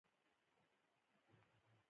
نو کولی شې راشې او